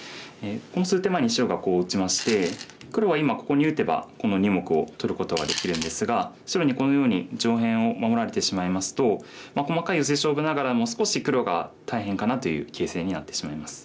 この数手前に白がこう打ちまして黒は今ここに打てばこの２目を取ることはできるんですが白にこのように上辺を守られてしまいますと細かいヨセ勝負ながらも少し黒が大変かなという形勢になってしまいます。